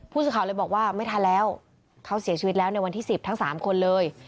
สื่อข่าวเลยบอกว่าไม่ทันแล้วเขาเสียชีวิตแล้วในวันที่๑๐ทั้ง๓คนเลย